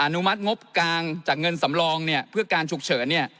นุมัติงบกลางจากเงินสำรองเนี่ยเพื่อการฉุกเฉิน